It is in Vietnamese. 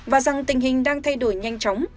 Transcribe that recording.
và rằng tình hình đang thay đổi nhanh chóng